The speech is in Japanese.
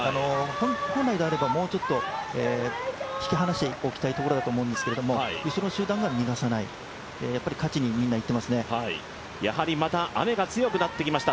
本来であればもうちょっと引き離しておきたいところだと思うんですけど後ろの集団が逃がさない、やはりまた雨が強くなってきました。